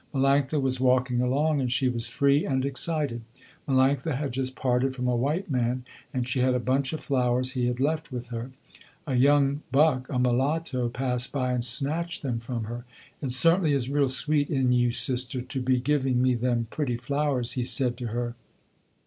Melanctha was walking along, and she was free and excited. Melanctha had just parted from a white man and she had a bunch of flowers he had left with her. A young buck, a mulatto, passed by and snatched them from her. "It certainly is real sweet in you sister, to be giving me them pretty flowers," he said to her.